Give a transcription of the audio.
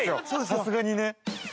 さすがにね。